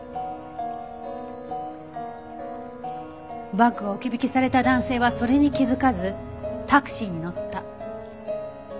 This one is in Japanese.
バッグを置き引きされた男性はそれに気づかずタクシーに乗った。